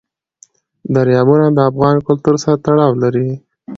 دریابونه د افغان کلتور سره تړاو لري.